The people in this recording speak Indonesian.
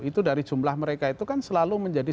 itu dari jumlah mereka itu kan selalu menjadi